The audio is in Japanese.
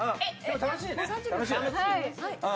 楽しいね。